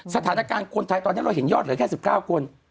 สถานการณ์คนไทยตอนนี้เราเห็นยอดเหลือแค่๑๙คน